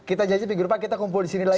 kita janji minggu depan kita kumpul disini lagi